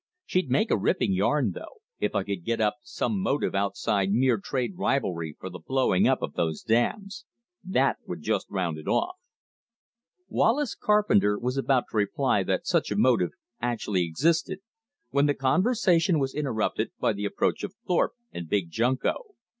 She'd make a ripping yarn, though, if I could get up some motive outside mere trade rivalry for the blowing up of those dams. That would just round it off." Wallace Carpenter was about to reply that such a motive actually existed, when the conversation was interrupted by the approach of Thorpe and Big Junko.